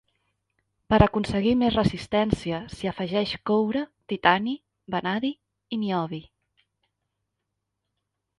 Per aconseguir més resistència s'hi afegeix coure, titani, vanadi i niobi.